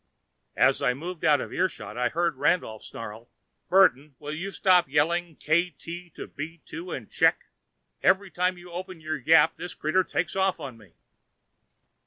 As I moved out of earshot, I heard Randolph snarl, "Burton, will you stop yelling, 'Kt to B 2 and check?' Every time you open your yap, this critter takes off on me."